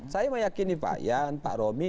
saya meyakini pak yan pak romi